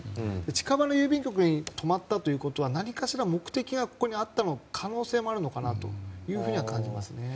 近場の郵便局に止まったということは何かしら目的がここにあった可能性もあるのかなと感じます。